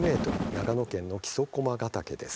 長野県の木曽駒ヶ岳です。